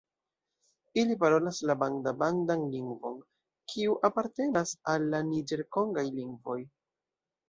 Ili parolas la banda-bandan lingvon, kiu apartenas al la niĝer-kongaj lingvoj.